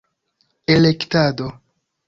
elektado